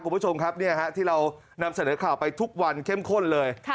คุณผู้ชมครับที่เรานำเสนอข่าวไปทุกวันเข้มข้นเลย